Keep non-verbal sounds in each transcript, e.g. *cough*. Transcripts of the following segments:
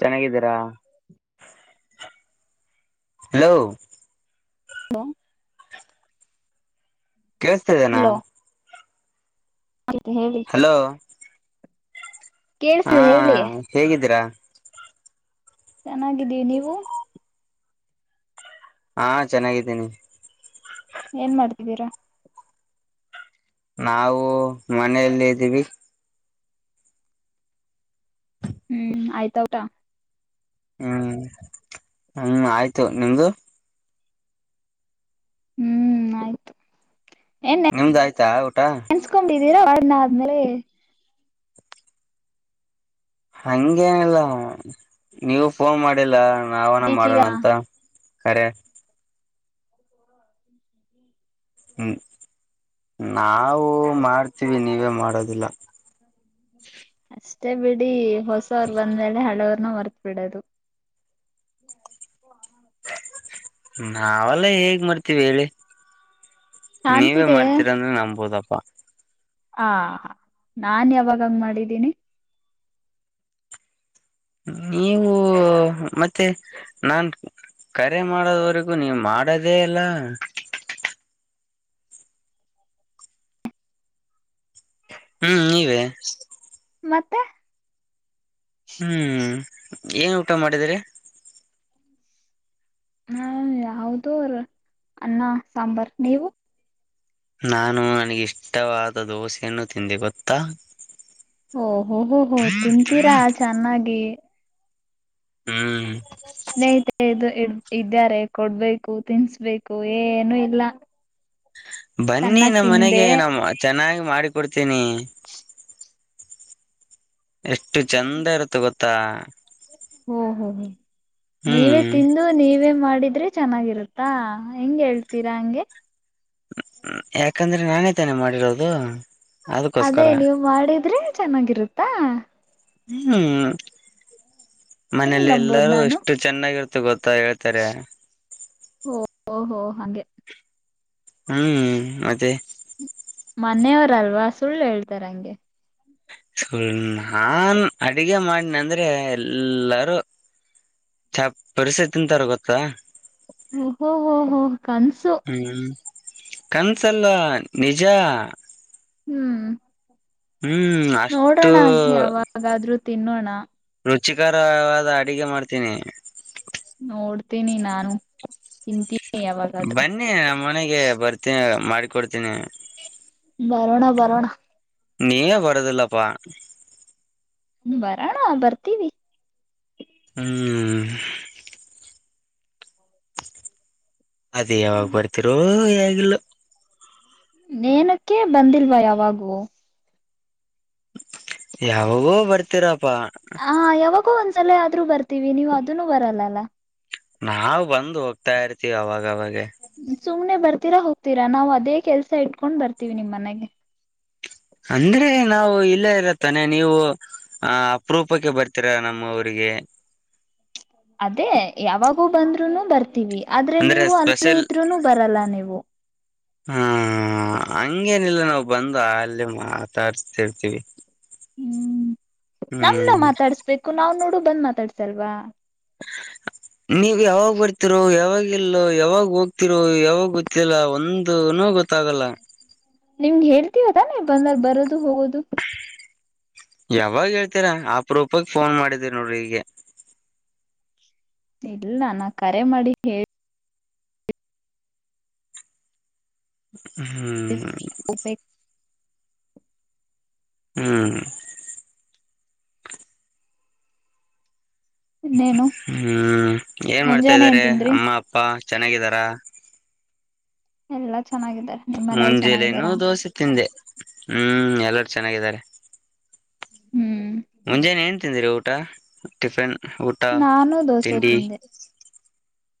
ಚನಾಗಿದೀರಾ. Hello. Hello. ಕೇಳಸ್ತಾ ಇದೆನಾ. ಹಾ ಹೇಳಿ ಹಲೋ ಕೇಳಸ್ತಿದೆ ಹೇಳಿ. ಹೇಗಿದಿರಾ. ಚನಾಗಿದೀವ್ ನೀವು. ಹಾ ಚನಾಗಿದ್ದೀನಿ. ಏನ್ ಮಾಡ್ತಿದ್ದೀರಾ. ನಾವು ಮನೆಯಲಿದೀವಿ. ಹ್ಮ್ ಆಯ್ತಾ ಊಟ. ಹ್ಮ್ ಹ್ಮ್ ಆಯ್ತು ನಿಮ್ದು. ಹ್ಮ್ ಆಯ್ತು ಏನ್. ನಿಮ್ದ ಆಯ್ತಾ ಊಟ. ನೆಂಸ್ಕೊಂಡಿದೀರಾ *unintelligible* ಆದ್ಮೇಲೆ. ಹಂಗೇನಿಲ್ಲ ನೀವ್ ಫೋನ್ ಮಾಡಿಲ್ಲ ನಾವನ ಬೀಚಗ ಮಾಡನಂತ. ಕರೆ. ಹ್ಮ್ ನಾವು ಮಾಡ್ತೀವಿ ನೀವೇ ಮಾಡೋದಿಲ್ಲ. ಅಷ್ಟೇ ಬಿಡಿ ಹೊಸರ್ ಬಂದ್ಮೇಲೆ ಹಳೆವ್ರ್ನ ಮರ್ತ ಬಿಡದು. *inaudible* ನಾವಲ್ಲ ಹೇಗ್ ಮರ್ತಿವೇಳಿ ನೀವೆ ಕಾಣ್ತಿದೆ ಮಾರ್ತಿರಾಂದ್ರೆ ನಂಬೋದಪ್ಪಾ. ಹ ನಾನ್ ಯಾವಾಗಂಗ್ ಮಾಡಿದ್ದೀನಿ. ನೀವು. ಮತ್ತೆ ನಾನ್ ಕರೆ ಮಾಡೋದ್ವರಿಗೂ ನೀವ್ ಮಾಡೋದೆ ಇಲ್ಲ. ಹ್ಮ್ ನೀವೆ. ಮತ್ತೆ. ಹ್ಮ್ ಏನ್ ಊಟ ಮಾಡಿದ್ರಿ. ನನ್ ಯಾವ್ದರ್ ಅನ್ನ ಸಾಂಬಾರ್ ನೀವು. ನಾನು ನನಗೆ ಇಷ್ಟವಾದ ದೋಸೆಯನ್ನು ತಿಂದೆ ಗೊತ್ತಾ ಓ ಹೂ ಹೂ ಹೂ ತಿಂತೀರಾ ಚೆನ್ನಾಗಿ ಹ್ಮ್ ಸ್ನೇಹಿತೆ ಇದು ಇ ಇದ್ದಾರೆ ಕೊಡ್ಬೇಕು ತಿನ್ನಿಸಬೇಕು ಏನು ಇಲ್ಲಾ ಬನ್ನಿ ನಮ್ಮ ಮನೆಗೆ ತಿಂದೆ ನಾ ಚೆನ್ನಾಗಿ ಮಾಡಿ ಕೊಡ್ತೀನಿ. *inaudible* ಎಷ್ಟು ಚೆಂದ ಇರುತ್ತೆ ಗೊತ್ತಾ ಓ ಹೂ ಹೂ ನೀವೇ ಹ್ಮ್ ತಿಂದ ನೀವೇ ಮಾಡಿದ್ರೆ ಚೆನ್ನಾಗಿರುತ್ತಾ ಹೆಂಗೆ ಹೇಳ್ತೀರಾ ಹಂಗೆ ಯಾಕಂದ್ರೆ ನಾನೇ ತಾನೆ ಮಾಡಿರೋದು ಅದೇ ಅದಕ್ಕೋಸ್ಕರ ನೀವು ಮಾಡಿದ್ರೆ ಚೆನ್ನಾಗಿರುತ್ತಾ ಹ್ಮ್ ಹೆಂಗ್ ಮನೇಲಿ ನಂಬೋದ್ ಎಲ್ಲಾರೂ ನಾನು ಎಷ್ಟ ಚೆನ್ನಾಗಿರ್ತ ಗೊತ್ತಾ ಹೇಳ್ತಾರೆ ಓ ಹೊಓ ಹೊ ಹಾಂಗೆ ಹ್ಮ್ ಅದೇ ಮನೆಯವರಲ್ವಾ ಸುಳ್ಳು ಹೇಳ್ತಾರ ಹಂಗೆ. ತು ನಾನ್ ಅಡಗೆ ಮಾಡಿನಂದ್ರೆ ಎಲ್ಲಾರೂ ಚಪ್ಪರಸಿ ತಿಂತಾರ್ ಗೊತ್ತಾ ಹೊ ಹೊ ಹೊ ಕನಸು ಹ್ಮ್ ಕನಸಲ್ಲಾ ನಿಜಾ ಹ್ಮ್ಂ ಹ್ಮ್ಂ ಅಷ್ಟ ಯಾವಾಗಾದ್ರೂ ತಿನ್ನೋಣ ರುಚಿಕರವಾದ ಅಡಗೆ ಮಾಡ್ತೀನಿ ನೋಡ್ತೀನಿ ನಾನು ತಿಂತಿನಿ ಬನ್ನಿ ನಮ್ಮ ಮನೆಗೆ ಬರ್ತೀ ಮಾಡಿಕೊಡ್ತೀನಿ ಬರೋಣ ಬರೋಣ ನೀವೇ ಹೋಡದಿಲ್ಲಪ್ಪಾ ಬರೋಣ ಬರ್ತೀವಿ ಹ್ಮ್ಂ ಅದೇ ಯಾವಾಗ ಬರ್ತಿರೋ ಎನಿಲ್ಲೊ ಎನಕ್ಕೆ ಬಂದಿಲ್ವಾ ಯಾವಾಗು ಯಾವಾಗೊ ಬರ್ತೀರಪಾ ಹ ಯಾವಾಗೋ ಒಂದ್ಸಲ ಆದ್ರೂ ಬರ್ತೀವಿ ನೀವು ಅದನ್ನು ಬರಲ್ಲ ಅಲ್ಲಾ ನಾವ್ ಬಂದು ಹೋಗ್ತಾ ಇರ್ತೀವಿ ಅವಾಗವಾಗ ಸುಮ್ನೆ ಬರ್ತೀರಾ ಹೋಗ್ತೀರಾ ಅದೇ ಕೆಲಸ ಇಟ್ಕೊಂಡ್ ಬರ್ತೀವಿ ನಿಮ್ಮ ಮನೆಗೆ ಅಂದ್ರೆ ನಾವು ಇಲ್ಲೇ ಇರುತ್ತಾನೆ ನೀವು ಆ ಅಪರೂಪಕ್ಕೆ ಬರ್ತೀರಾ ನಮ್ಮುರಿಗೆ ಅದೇ ಯಾವಾಗೂ ಬಂದ್ರುನು ಬರ್ತೀವಿ ಆದ್ರೆ ಅಂದ್ರೆ ನೀವು ಅಲ್ಲೇ ಸ್ಪೆಷಲ್ ಇದ್ರುನು ಬರಲ್ಲಾ ನೀವು ಹಾ ಹಂಗೇನಿಲ್ಲ ನಾವು ಬಂದು ಅಲ್ಲೇ ಮಾತಾಡಸ್ತ ಇರ್ತೀವಿ ಹ್ಮ್ ನಮ್ನ ಹ್ಮ್ ಮಾತಾಡ್ಸ್ಬೇಕು ನಾವ್ ನೋಡು ಬಂದ್ ಮಾತಾಡ್ಸಲ್ವಾ *inaudible* ನೀವ ಯಾವಾಗ್ ಬರ್ತಿರೋ ಯಾವಾಗಲ್ ಇಲೋ ಯಾವಾಗ್ ಹೋಗ್ತಿರೋ ಯಾವಾಗ್ ಗೊತ್ತಿಲ್ಲಾ ಒಂದು ಗೊತ್ತ ಗೊತ್ತಾಗಲ್ಲಾ ನಿಮ್ಗೆ ಹೆಂಡ್ತಿದಾನೆ ಬಂದಾರ್ ಬರೋದು ಹೋಗೋದು ಯಾವಾಗ ಹೇಳ್ತೀರಾ ಅಪರೂಪಕ ಫೋನ್ ಮಾಡಿದೀರಿ ನೋಡ್ರಿ ಈಗೆ ಇಲ್ಲ ನಾ ಕರೆ ಮಾಡಿ ಹೇಳ ಹ್ಮ್ ಉಪೇ ಹ್ಮ್ ಇನ್ನೇನು ಹ್ಮ್ ಏನ್ ಮಾಡ್ತಾ ಮುಂಜಾನೆ ಏನ್ ಇದ್ದಾರೆ ತಿಂದ್ರಿ ಅಮ್ಮ ಅಪ್ಪ ಚೆನ್ನಾಗಿದಾರ. ಎಲ್ಲಾ ಚೆನ್ನಾಗಿದ್ದಾರೆ. ಮುಂಜಲೆನುೂ ದೋಸೆ ತಿಂದೆ ಹ್ಮ್ ಎಲ್ಲರ ಚೆನ್ನಾಗಿದ್ದಾರೆ. ಹ್ಮ್ ಮುಂಜಾನಾನೆ ಏನ್ ತಿಂದಿರಿ ಊಟ ಟಿಫಿನ್ ಊಟ ನಾನು ದೋಸೆ ತಿಂಡಿ. ತಿಂದೆ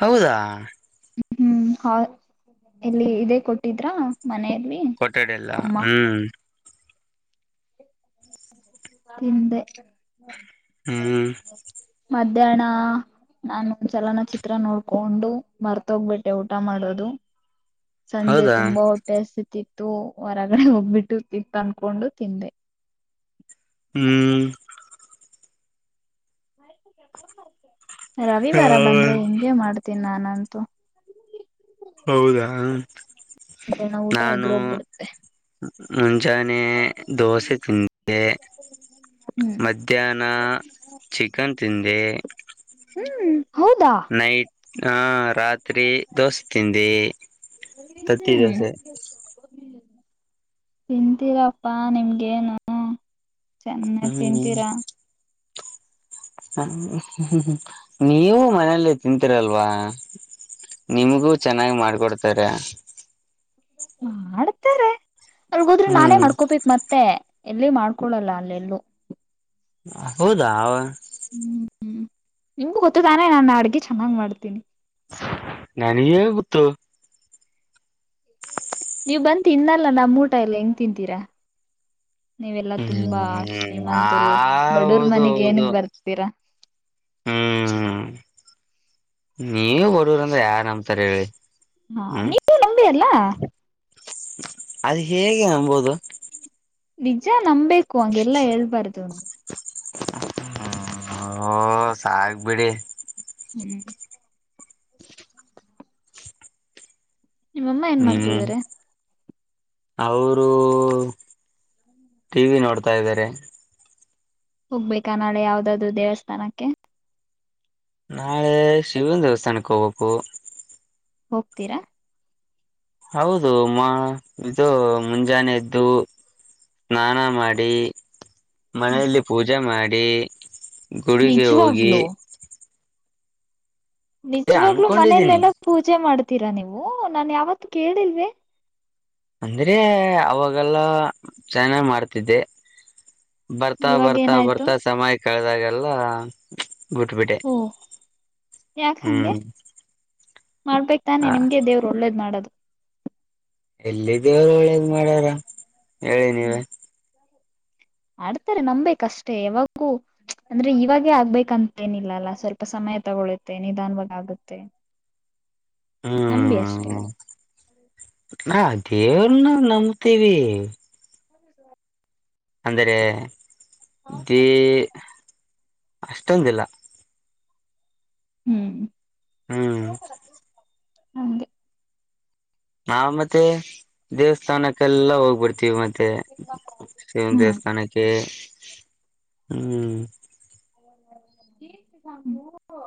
ಹೌದಾ. ಹ್ಮ್ ಹ ಎಲ್ಲಿ ಇದೇ ಕೊಟ್ಟಿದ್ರ ಮನೆಯಲ್ಲಿ ಕೊಠಡಿ ಎಲ್ಲ ಅಮ್ಮ. ಹ್ಮ್ ತಿಂದೆ ಹ್ಮ್ ಮಧ್ಯಾಹ್ನ. ನಾನು ಒಂದ್ಸಲನ ಚಿತ್ರ ನೋಡ್ಕೊಂಡು ಮರ್ತೋಗ್ಬಿಟ್ಟೆ ಊಟ ಮಾಡೋದು. ಸಂಜೆ ಹೌದಾ ತುಂಬಾ ಹೊಟ್ಟೆಸ್ತಿ ಇತ್ತು ಹೊರಗಡೆ ಹೋಗ್ಬಿಟ್ಟು ತಿತ್ತು ಅನ್ಕೊಂಡು ತಿಂದೆ. ಹ್ಮ್ ರವಿವಾರ ಬಂದ್ರೆ ಹಿಂಗಗೆ ಮಾಡ್ತೀನಿ ನಾನಂತು. ಹೌದಾ ಹ. ಮದ್ಯಾನ ಊಟ ಎಗರು ಹೋಗ್ಬಿಡುತ್ತೆ. ಮುಂಜಾನೆ ದೋಸೆ ತಿಂದೆ. ಹ್ಮ್ ಮಧ್ಯಾಹ್ನ ಚಿಕನ್ ತಿಂದೆ. ಹ್ಮ್ ಹೌದಾ. ನೈಟ್ ಹ ರಾತ್ರಿ ದೋಸೆ ತಿಿಂದಿ ತತ್ತಿ ಹ್ಮ್ ದೋಸೆ. ತಿಂತೀರಪ್ಪಾ ನಿಮ್ಗೇನು. ಚೆನ್ನ ತಿಂತೀರಾ. ಹ ನೀವು ಮನಲ್ಲೇ ತಿಂತೀರಲ್ವಾ. ನಿಮಗೂ ಚೆನ್ನಾಗಿ ಮಾಡ್ಕೊಡ್ತಾರೆ. ಮಾಡ್ತಾರೆ ಅಲ್ಗೋದ್ರರು ನಾನೇ ಹ್ಮ್ ಮಾಡ್ಕೋಬೇಕಿಕ್ ಮತ್ತೆ. ಎಲ್ಲ ಮಾಡ್ಕೊಳ್ಳಲ್ಲ ಅಲ್ಲೆಲ್ಲೂ. ಹೌದಾ. ಹ್ಮ್ ಹ್ಮ್ ನಿಮ್ಗು ಗೊತ್ತ ತಾನೆ ನಾನು ಅಡ್ಗೆ ಚೆನ್ನಾಗ್ ಮಾಡ್ತೀನಿ. ನಗೆನ್ ಗೊತ್ತು. *inaudible* ನೀವ್ ಬಂತಿ ಇನ್ನಲ್ಲ ನಮ್ಮ್ ಊಟ ಎಲ್ಲಿ ಹೆಂಗ್ ತಿಂತೀರಾ. ನೀವೆಲ್ಲಾ ತುಂಬಾ ಹ್ಮ್ ಆ ಶ್ರೀಮಂತರು ಬಡೂರ್ ಹೌದು ಮನಗ್ ಏನಗ್ ಬರ್ತೀರಾ. ಹ್ಮ ನೀವ ಬಡವರಂದ್ರ ಯಾರ ಅಂಬತಾರ ಹೇಳಿ. ಹಾ ನೀವು ನಂಬಿ ಅಲ್ಲಾ. ಅದು ಹೇಗೆ ಅಂಬಬೋದು. ನಿಜ ನಂಬಬೇಕು ಹಗೆಲ್ಲಾ ಹೇಳ್ಬಾರ್ದು ನೀ ಹ್ಮ ಸಾಗಬಿಡಿ. ಹ್ಮ್ ನಿಮ್ಮಮ್ಮ ಏನ್ ಹ್ಮ್ ಮಾಡ್ತಿದಾರೆ ಅವರು ಟಿವಿ ನೋಡ್ತಾ ಇದ್ದಾರೆ. ಹೋಗ್ಬೇಕಾ ನಾಳೆ ಯಾವ್ದಾದ್ರರು ದೇವಸ್ಥಾನಕ್ಕೆ. ನಾಳೆ ಶಿವನ ದೇವಸ್ಥಾನಕ್ಕೆ ಹೋಗ್ಬೇಕು. ಹೋಗ್ತೀರಾ ಹೌದು ಮಾ ಇದು ಮುಂಜಾನೆ ಎದ್ದು ಸ್ನಾನ ಮಾಡಿ ಮನೆಯಲ್ಲಿ ಪೂಜೆ ಮಾಡಿ ಗುಡಿಗೆ ಹೋಗಿ ನಿಜವಾಗ್ಲೂ ನಿಜವಾಗ್ಲೂ ಅನ್ಕೊಂಡಿದ್ದೀನಿ ಮನೆಲೆೆಲ್ಲಾ ಪೂಜೆ ಮಾಡ್ತೀರಾ ನೀವು ನಾನ್ ಯಾವತ್ ಕೇಳಿಲ್ವೆ. ಅಂದ್ರೆ ಅವಾಗೆಲ್ಲಾ ಚೆನ್ನಾಗ್ ಮಾಡ್ತಿದ್ದೆ. ಬರ್ತಾ ಇವಾಗ ಬರ್ತಾ ಏನಾಯ್ತು ಬರ್ತಾ ಸಮಯ ಕಳೆದಾಗೆಲ್ಲಾ ಓ ಯಾಕ ಹಂಗೆ ಹ್ಮ್ ಮಾಡ್ಬೇಕ್ ತಾನೆ ಹ ನಿಮಗೆ ದೇವರು ಒಳ್ಳೇದ್ ಮಾಡೋದು. ಎಲ್ಲಿ ದೇವರು ಒಳ್ಳೇದು ಮಾಡ್ಯಾದ ಹೇಳಿ ನೀವೆ ಆಡ್ತಾರೆ ನಂಬೆಕ್ ಅಷ್ಟೇ ಯಾವಾಗೂ ಅಂದ್ರೆ ಇವಾಗೇ ಆಗ್ಬೇಕಂತೇನಿಲ್ಲ ಅಲ್ಲಾ ಸ್ವಲ್ಪ ಸಮಯ ತಗೊಳುತ್ತೆ ನಿಧಾನವಾಗಿ ಆಗುತ್ತೆ. ನಂಬಿ ಅಷ್ಟೆ ಹ್ಮ ನಾವ್ ದೇವ್ರನ್ನ ನಂಬತೀವಿ. ಹೌದ ಅಂದರೆೆ ದೇ ಅಷ್ಟೊಂದಿಲ್ಲ. ಹ್ಮ್ ಹ್ಮ್ ಹಂಗೆ ನಾವ್ ಮತ್ತೆ ದೇವಸ್ಥಾನಕ್ಕೆಲ್ಲ ಹೋಗ್ಬಿಡ್ತೀವಿ ಮತ್ತ್ ತ್ತೆ ಹೆಂಗ್ ಹ್ಮ್ ದೇವಸ್ಥಾನಕ್ಕೆ ಹ್ಮ್ ಸಾಬು *unintelligible* ಹೌ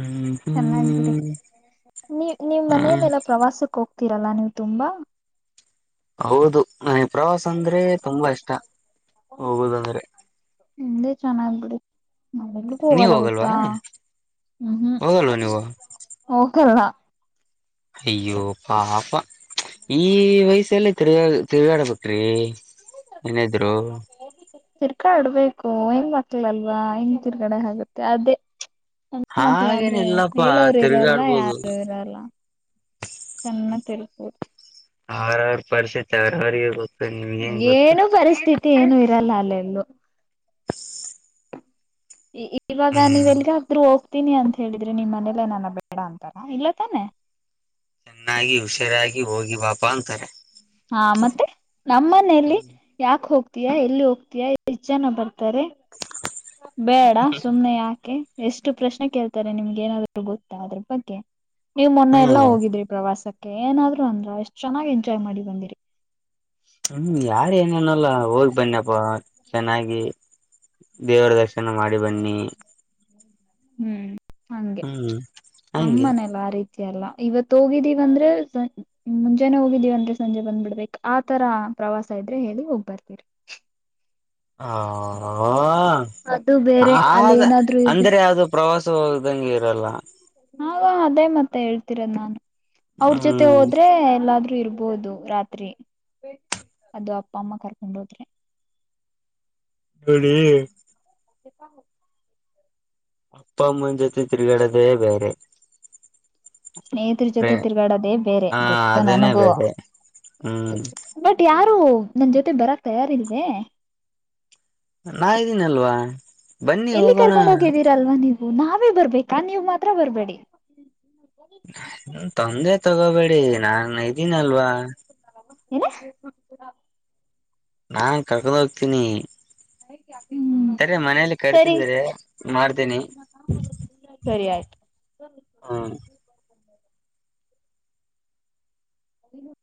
ಹ್ಮ್ ಚೆನ್ನಾಗಿದೆ ಹ್ಮ್ ನೀ ನೀವ್ ಹ ಮನೇಲೆೆಲ್ಲ ಪ್ರವಾಸಕ್ ಹೋಗ್ತೀರಲ್ಲ ನೀವು ತುಂಬಾ. ಹೌದು ನನಗೆ ಪ್ರವಾಸ ಅಂದ್ರೆ ತುಂಬಾ ಇಷ್ಟ ಹೋಗುದಂದ್ರೆ. ಹೇ ಚೆನ್ನಾಗ್ ಬಿಡ್ ನಾವು ಎಲ್ಲಿಗೂ ನೀವ್ ಹೋಗಲ್ಲ ಹೋಗಲ್ವಾ ಗೊತ್ತಾ ಹ್ಮ್ ಹ್ಮ್ ಹೋಗಲ್ವಾ ನೀವು ಓಕರ್ಣ ಅಯ್ಯೋ ಪಾಪ ಈ ವಯಸಲ್ಲಿ ತಿರುಗಾ ತಿರುಗಾಡ ಬೇಕ. ಏನೆ ಇದ್ರೂ ತಿರ್ಕಾಡ್ಬೇಕು ಹೆಂಗ ಮಕ್ಳಲ್ವಾ ಹೆಂಗ ತಿರ್ಗಡೆ ಆಗುತ್ತೆ ಅದೇ *unintelligible* ಹೆ ಮಕ್ಳಾದ್ರೆ ಇಲ್ಲಪ್ಪಾ ಹೇಳರು ಇರಲ್ಲ ತಿರ್ಗಾಡ್ಬೋದು ಯಾರು ಇರಲ್ಲ ಚನ್ನ ತಿರುಪು *unintelligible* ಅವ್ರ ಅವ್ರ ಪರಿಸ್ಥಿತಿ ಅವ್ರ ಅವ್ರಿಗೆ ಗೊತ್ ಏನು ಪರಿಸ್ಥಿತಿ ಏನು ಇರಲ್ಲ ಅಲ್ಲೆಲ್ಲೂ. ಇವಾಗ ನೀವ್ ಹ್ಮ್ ಎಲ್ಲಿಗೆ ಹೋಕ್ತೀನಿ ಅಂತ ಹೇಳಿದ್ರೆ ನಿಮ್ ಮನೆೇಲ್ಲೇ ಏನನಾ ಬೇಡ ಅಂತಾರ ಇಲ್ಲ ತಾನೆ ಚೆನ್ನಾಗಿ ಹುಷಾರಾಗಿ ಹೋಗಿ ಬಾಪಾ ಅಂತಾರೆ. ಹಾ ಮತ್ತೆ ನಮ್ಮ್ ಮನೇೆಯಲ್ಲಿ ಯಾಕೂ ಹೋಗ್ತೀತಿ ಯಾ ಎಲ್ಲಿ ಹೋಗ್ತತೊತೀಯ ಜನ ಬರ್ತಾರೆ ಬೇಡ ಸುಮ್ಮನೆ ಯಾಕೆ ಎಷ್ಟು ಪ್ರಶ್ನೆ ಕೇಳ್ತಾರೆ ನಿಮ್ಗೆ ಏನಾದ್ರು ಗೊತ್ತಾ ಅದ್ರ ಬಗ್ಗೆ ನೀವ್ ಮೊನ್ನೆ ಎಲ್ಲಾ ಹ್ಮ್ ಹೋಗಿದ್ರಿ ಪ್ರವಾಸಕ್ಕೆ ಏನಾದ್ರು ಅಂದ್ರ ಎಷ್ಟ್ ಚೆನ್ನಾಗ್ ಎಂಜಾಯ್ ಮಾಡಿ ಬಂದಿರಿ. ಹ್ಮ್ ಯಾರು ಏನನಲ್ಲ ಹೋಗಿ ಬನ್ನಿಪ್ಪ ಚೆನ್ನಾಗಿೀ ದೇವರ ದರ್ಶನ ಮಾಡಿ ಬನ್ನಿ ಹ್ಮ್ ಹಂಗೆ ಹ್ಮ್ ಹಂಗೆ ನಮ್ಮನೆಲ್ಲ ಆ ರೀತಿ ಎಲ್ಲಾ ಇವತ್ ಹೋಗಿದ್ದೀವ ಅಂದ್ರೆ ಮುಂಜಾನೆ ಹೋಗಿದ್ದೀವ ಅಂದ್ರೆ ಸಂಜೆ ಬಂದ್ ಬಿಡ್ಬೇಕ್ ಆತರಾ ಪ್ರವಾಸ ಇದ್ರೆ ಹೇಳಿ ಹೋಗ್ ಬರ್ತೀರಿ ಹಾ ಹಾ ಅದು ಹಾ ಬೇರೆ ಅಲ್ಲಿ ಆದ ಏನಾದ್ರು ಇರ್ಬೇ ಅಂದ್ರೆ ಅದು ಪ್ರವಾಸ ಹೋದಂಗ್ ಇರಲ್ಲಾ ಹಾ ಅದೇ ಮತ್ತೆ ಹೇಳ್ತೀರ ನಾನು ಅವ್ರ ಜೊತೆ ಹ್ಮ್ ಹೋದ್ರೆ ಎಲ್ಲಾದ್ರೂ ಇರ್ಬೋದು ರಾತ್ರಿ ಅದು ಅಪ್ಪ ಅಮ್ಮಾ ಕರ್ಕೊಂಡ್ ಹೋದ್ರೆ *unintelligible* *unintelligible* ಅಪ್ಪಾಅಮ್ಮನ ಜೊತೆ ತಿರುಗಾಡೊದೇ ಬೇರೆ ಸ್ನೇಹಿತರ ಹ ಜೊತೆ ತಿರ್ಗಾಡೋದೇ ಬೇರೆ ಗೊತ್ತು ಅದೇನೇ ನನಗೂ ಬೇರೆ ಹ್ಮ್ ಬಟ್ ಯಾರು ನೀನ್ ಜೊತೆ ಬರಕ್ ತಯಾರ ಇಲ್ಲವೇ ರಾ ಇದ್ದೀನಲ್ವಾ ಬನ್ನಿ ಎಲ್ಲಿ ಹೋಗೋಣ ಕರ್ಕೊಂಡ್ ಹೋಗಿದ್ದೀರಲ್ವಾ ನೀವು ನಾವೇ ಬರಬೇಕಾ ನೀವು ಮಾತ್ರ ಬರಬೇಡಿ ತೊಂದ್ರೆ ತಗೋಬೇಡಿ ನಾನ್ ಇದ್ದೀನಲ್ವಾ ಇನ್ ನಾನ್ ಕರಕೋಂಡ ಹೋಗ್ತೀನಿ *unintelligible* ಹ್ಮಂ ಸರಿ ಮನೇಲಿ ಸರಿ ಕರಿತಿದಿದ್ದಾರೆ ಮಾಡ್ತೀನಿ *unintelligible* ಸರಿ ಆಯ್ತು *unintelligible* ಹಾ *unintelligible*